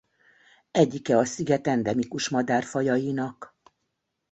Egyike a sziget endemikus madárfajainak.